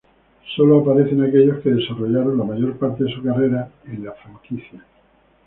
Sólo aparecen aquellos que desarrollaron la mayor parte de su carrera en la franquicia.